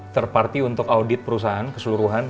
terparti untuk audit perusahaan keseluruhan